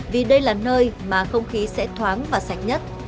vì đây là nơi mà không khí sẽ thoáng và sạch nhất